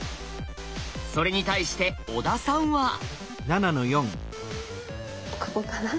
それに対して小田さんは。ここかな。